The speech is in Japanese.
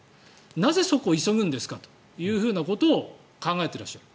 なぜ、そこを急ぐんですかと考えていらっしゃった。